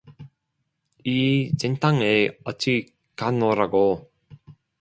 이 진땅에 어찌 가노라고